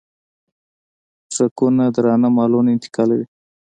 ټرکونه درانه مالونه انتقالوي.